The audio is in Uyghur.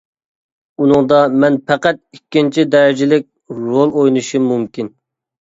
ئۇنىڭدا مەن پەقەت ئىككىنچى دەرىجىلىك رول ئوينىشىم مۇمكىن.